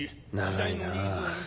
長いなぁ